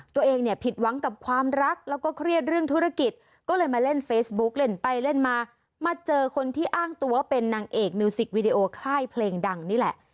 ตัวเองเนี่ยผิดหวังกับความรักแล้วก็เครียดเรื่องธุรกิจก็เลยมาเล่นเฟซบุ๊กเล่นไปเล่นมามาเจอคนที่อ้างตัวเป็นนางเอกมิวสิกวีดีโอค่ายเพลงดังนี่แหละ